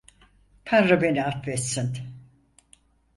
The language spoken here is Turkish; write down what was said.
Tanrı beni affetsin.